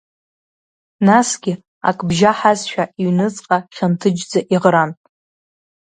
Насгьы ак бжьаҳазшәа, иҩныҵҟа хьанҭыџьӡа иӷран.